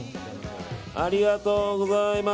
ありがとうございます！